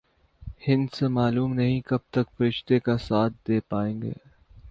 ہندسے معلوم نہیں کب تک فرشتے کا ساتھ دے پائیں گے۔